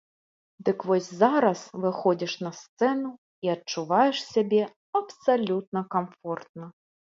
Дык вось зараз выходзіш на сцэну і адчуваеш сябе абсалютна камфортна.